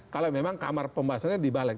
kalau memang kamar pembahasannya di balek